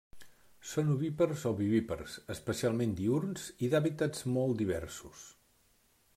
Són ovípars o vivípars, especialment diürns i d'hàbitats molt diversos.